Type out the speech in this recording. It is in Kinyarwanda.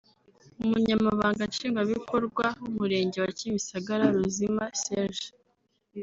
umunyamabanga Nshingwabikorwa w’umurenge wa Kimisagara Ruzima Serge